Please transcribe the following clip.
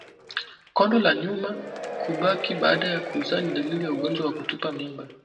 Kondo la nyuma kubaki baada ya kuzaa ni dalili ya ugonjwa wa kutupa mimba